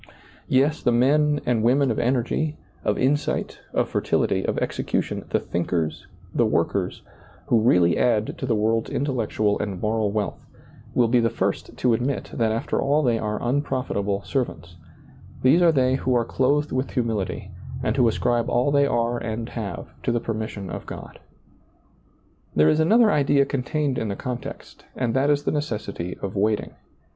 Yes, the men and women of energy, of insight, of fertility, of execution — the thinkers, the workers — ^who really ^lailizccbvGoOgle THE UNPROFITABLE SERVANT 67 add to the world's intellectual and moral wealth — will be the first to admit that after all they are unprofitable servants; these are they who are clothed with humility and who ascribe all they are and have to the permission of God. There is another idea contained in the context, and that is the necessity of waiting.